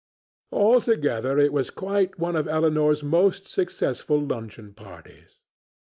Altogether it was quite one of Elinor's most successful luncheon parties.